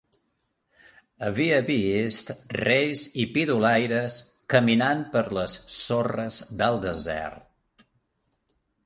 Havia vist reis i pidolaires caminant per les sorres del desert.